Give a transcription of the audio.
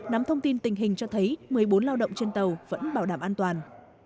nắm thông tin tình hình cho thấy một mươi bốn lao động trên tàu vẫn bảo đảm an toàn